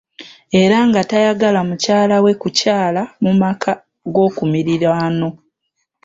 Era nga tayagala mukyala we kukyala mu maka g'okumirirwano.